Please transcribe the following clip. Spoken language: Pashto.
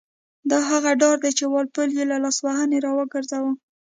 دا هغه ډار دی چې وال پول یې له لاسوهنې را وګرځاوه.